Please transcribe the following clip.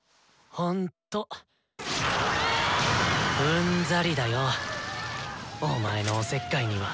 うんざりだよお前のおせっかいには。